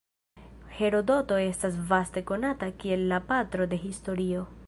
Herodoto estas vaste konata kiel la "patro de historio".